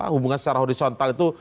hubungan secara horizontal itu